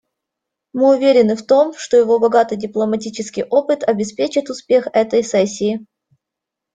Мы уверены в том, что его богатый дипломатический опыт обеспечит успех этой сессии.